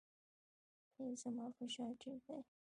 ایا زما فشار ټیټ دی؟